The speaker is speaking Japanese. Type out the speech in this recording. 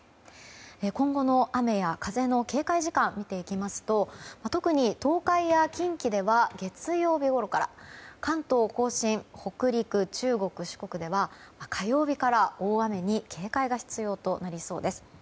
今後の雨や風の警戒時間を見ていきますと特に東海や近畿では月曜日ごろから関東・甲信、北陸中国・四国では火曜日から大雨に警戒が必要となりそうです。